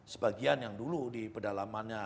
sebagian yang dulu di pedalamannya